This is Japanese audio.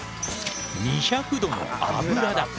２００度の油だ。